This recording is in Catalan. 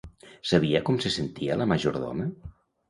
Sabia com se sentia la majordoma?